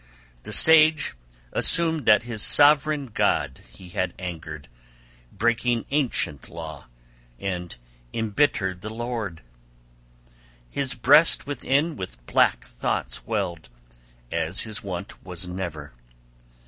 The sage assumed that his sovran God he had angered, breaking ancient law, and embittered the Lord. His breast within with black thoughts welled, as his wont was never.